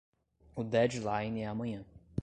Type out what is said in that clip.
O deadline é amanhã.